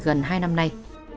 gần hai năm nay